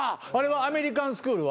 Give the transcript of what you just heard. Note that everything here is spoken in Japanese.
アメリカンスクールは？